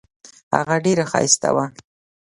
هغه ډیره ښایسته وه.